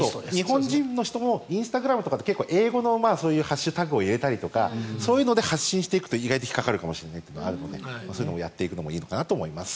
日本人の方もインスタグラムとかで結構英語のハッシュタグを入れたりとかそういうので発信すると意外と引っかかるかもしれないというのがあるのでそういうのをやっていくのもいいかなと思います。